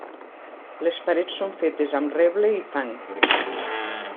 Les parets són fetes amb reble i fang.